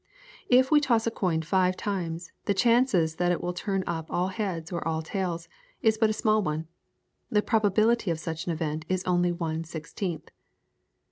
If we toss a coin five times the chances that it will turn up all heads or all tails is but a small one. The probability of such an event is only one sixteenth.